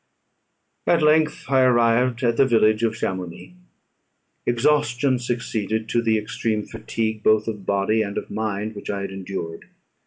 At length I arrived at the village of Chamounix. Exhaustion succeeded to the extreme fatigue both of body and of mind which I had endured.